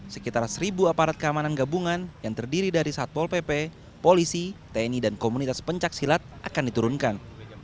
sekitar seribu aparat keamanan gabungan yang terdiri dari satpol pp polisi tni dan komunitas pencaksilat akan diturunkan